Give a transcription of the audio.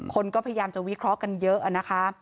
คนก็พยายามจะวิเคราะห์กันเยอะนะคะ